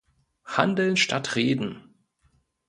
Handeln statt Reden!